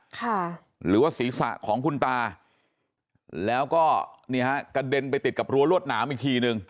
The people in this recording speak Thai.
ค่ะหรือว่าศีรษะของคุณตาแล้วก็นี่ฮะกระเด็นไปติดกับรั้วรวดหนามอีกทีหนึ่ง